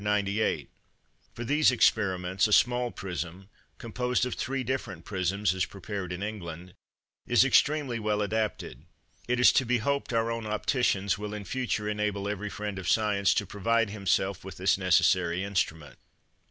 For these experiments, a small prism composed of three different prisms, as prepared in England, is extremely well adapted. It is to be hoped our own opticians will in future enable every friend of science to provide himself with this necessary instrument.